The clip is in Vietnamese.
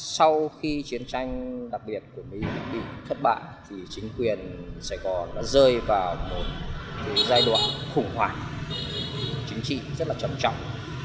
sau khi chiến tranh đặc biệt của mỹ bị thất bại thì chính quyền sài gòn đã rơi vào một giai đoạn khủng hoảng chính trị rất là trầm trọng